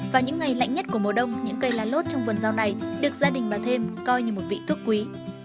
vào những ngày lạnh nhất của mùa đông những cây lá lốt trong vườn rau này được gia đình bà thêm coi như một vị thuốc quý